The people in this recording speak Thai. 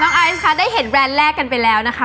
นางออบนางอายสค่ะได้เห็นแบรนด์แรกกันไปแล้วนะคะ